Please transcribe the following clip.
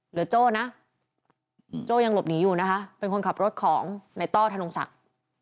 โจ้นะโจ้ยังหลบหนีอยู่นะคะเป็นคนขับรถของในต้อธนงศักดิ์